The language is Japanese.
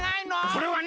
それはね